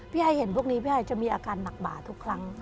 ไอเห็นพวกนี้พี่ไอจะมีอาการหนักบาดทุกครั้ง